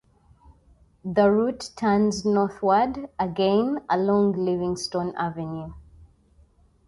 The route turns northward again along Livingston Avenue.